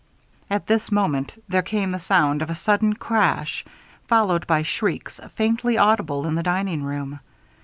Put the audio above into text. At this moment there came the sound of a sudden crash, followed by shrieks faintly audible in the dining room.